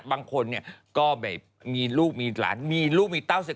บางคนก็แบบมีลูกมีหลานมีลูกมีเต้า